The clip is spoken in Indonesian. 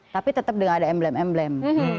tapi tetap dengan ada emblem emblem